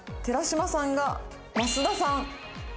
寺島さんが益田さん。